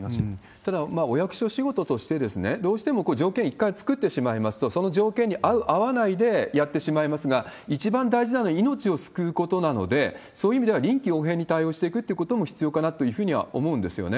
ただ、お役所仕事として、どうしても条件一回作ってしまいますと、その条件に合う合わないでやってしまいますが、一番大事なのは命を救うことなので、そういう意味では臨機応変に対応していくっていうことも必要かなというふうには思うんですよね。